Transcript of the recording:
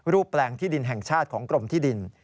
แปลงที่ดินแห่งชาติของกรมที่ดิน